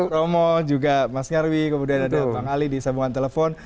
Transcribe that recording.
terima kasih bang ali romo juga mas nyarwi kemudian ada bang ali di sambungan telepon